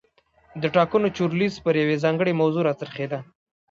د ټاکنو چورلیز پر یوې ځانګړې موضوع را څرخېده.